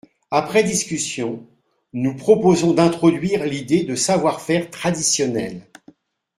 Après discussion, nous proposons d’introduire l’idée de « savoir-faire traditionnel ».